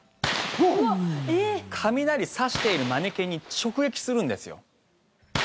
雷、差しているマネキンに直撃するんですよ。